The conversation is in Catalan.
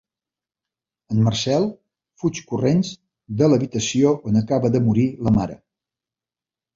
El Marcel fuig corrents de l'habitació on acaba de morir la mare.